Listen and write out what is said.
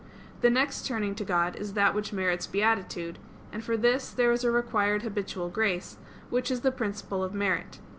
The next turning to God is that which merits beatitude; and for this there is required habitual grace, which is the principle of merit.